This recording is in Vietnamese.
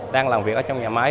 đang làm việc ở trong nhà máy